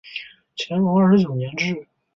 乾隆二十九年置。